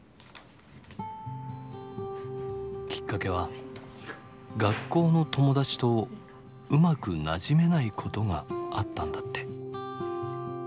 きっかけは学校の友達とうまくなじめないことがあったんだって。